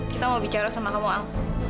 kita mau bicara sama kamu al